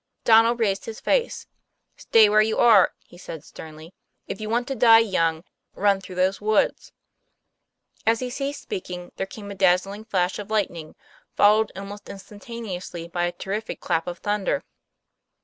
Donnel raised his face. "Stay where you are," he said sternly; "if you want to die young, run through those woods." As he ceased speaking, there came a dazzling flash of lightning, followed almost instantaneously by a terrific clap of thunder.